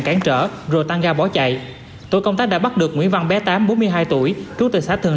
cản trở rồi tan ra bỏ chạy tội công tác đã bắt được nguyễn văn bé tám bốn mươi hai tuổi trung tịch xã thường